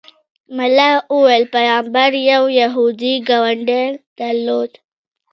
ملا ویل پیغمبر یو یهودي ګاونډی درلود.